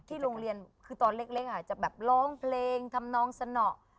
ที่โรงเรียนคือตอนเล็กค่ะจะแบบร้องเพลงทำน้องเสน่า